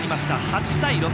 ８対６。